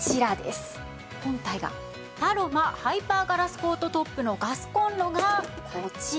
パロマハイパーガラスコートトップのガスコンロがこちら。